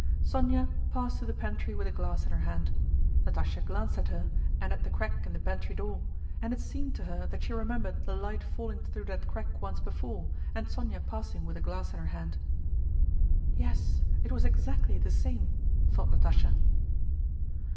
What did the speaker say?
Sónya passed to the pantry with a glass in her hand. Natásha glanced at her and at the crack in the pantry door, and it seemed to her that she remembered the light falling through that crack once before and Sónya passing with a glass in her hand. "Yes it was exactly the same," thought Natásha.